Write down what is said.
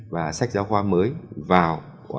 và sách giáo khoa mới vào